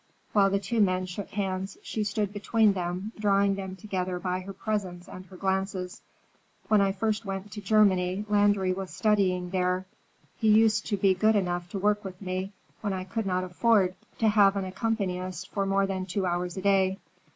While the two men shook hands she stood between them, drawing them together by her presence and her glances. "When I first went to Germany, Landry was studying there. He used to be good enough to work with me when I could not afford to have an accompanist for more than two hours a day.